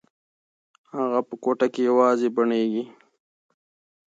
هغه په کوټه کې یوازې بڼیږي.